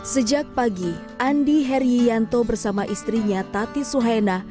sejak pagi andi herianto bersama istrinya tati suhena